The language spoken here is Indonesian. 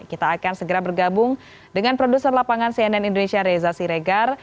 kita akan segera bergabung dengan produser lapangan cnn indonesia reza siregar